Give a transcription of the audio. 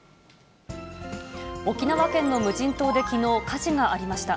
沖縄県の無人島できのう、火事がありました。